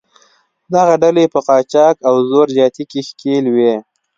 دغه ډلې په قاچاق او زور زیاتي کې ښکېل وې.